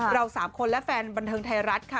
เรา๓คนและแฟนบันเทิงไทยรัฐค่ะ